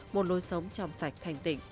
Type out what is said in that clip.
một nôi sống trong sạch thanh tịnh